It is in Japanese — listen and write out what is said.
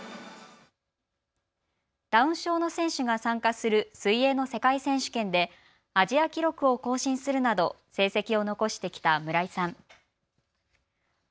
ダウン症の選手が参加する水泳の世界選手権でアジア記録を更新するなど成績を残してきた村井さん。